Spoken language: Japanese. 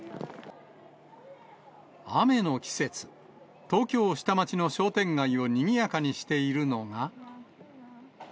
雨の季節、東京・下町の商店街をにぎやかにしているのが。